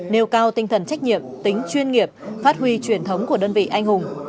nêu cao tinh thần trách nhiệm tính chuyên nghiệp phát huy truyền thống của đơn vị anh hùng